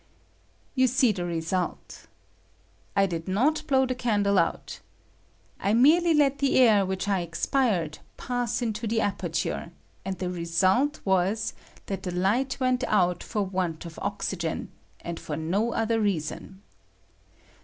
You see the result. I did not blow the candle out. I merely let the air which I expired pass into the aperture, and the result was that the light went out for want of oxygen, and for no other reason.